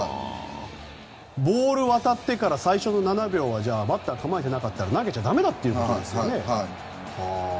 ボールが渡ってから最初の７秒はバッターが構えていなかったら投げちゃ駄目だっていうことですよね。